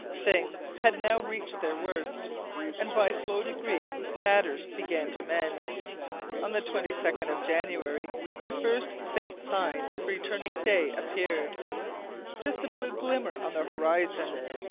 Things had now reached their worst, and by slow degrees matters began to mend. On the 22nd of January the first faint sign of returning day appeared just a blue glimmer on the horizon.